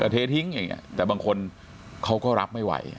แต่บางคนเขาก็รับไม่ไหว